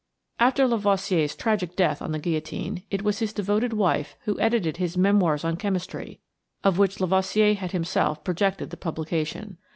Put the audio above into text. After Lavoisier's tragic death on the guillotine, it was his devoted wife who edited his Memoirs on Chemistry, of which Lavoisier had himself projected the publication.